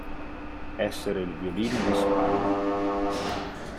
Essere il violino di spalla.